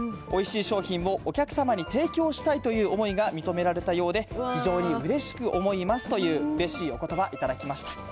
おいしい商品をお客様に提供したいという思いが認められたようで、非常にうれしく思いますという、うれしいおことば、頂きました